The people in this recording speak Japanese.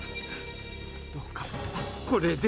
どうかこれで。